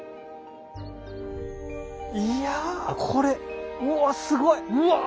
いやこれうわすごい！うわ！